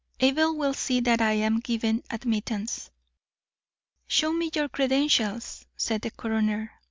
"Abel will see that I am given admittance." "Show me your credentials," said the coroner.